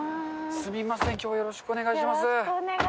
すみません、きょうはよろしよろしくお願いします。